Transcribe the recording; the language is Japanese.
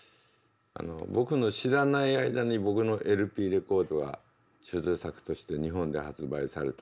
僕の知らない間に僕のＬＰレコードが処女作として日本で発売された。